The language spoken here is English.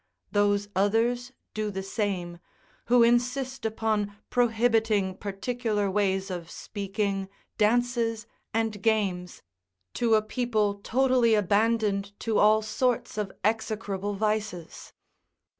Those others do the same, who insist upon prohibiting particular ways of speaking, dances, and games, to a people totally abandoned to all sorts of execrable vices.